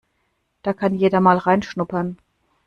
Da kann jeder mal reinschnuppern.